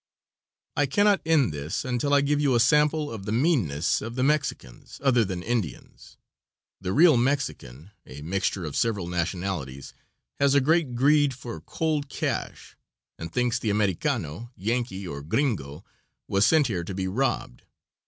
I cannot end this until I give you a sample of the meanness of the Mexicans, other than Indians. The real Mexican a mixture of several nationalities has a great greed for cold cash, and thinks the Americano, Yankee, or gringo, was sent here to be robbed.